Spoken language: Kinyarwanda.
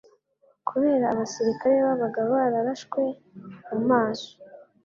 kubera abasirikare babaga bararashwe mu maso